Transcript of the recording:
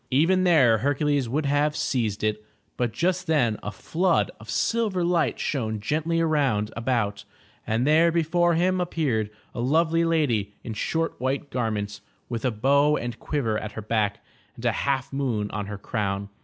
Even there Hercules would have seized it, but just then a flood of silver light shone gently roimd about, and there before him appeared a lovely lady in short white garments, with a bow and quiver at her back and a half moon on her crown.